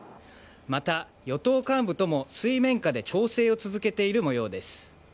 また、与党幹部とも水面下で調整を続けている模様です。